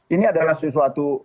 ini adalah sesuatu